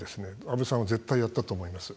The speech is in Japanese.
安倍さんは絶対やったと思います。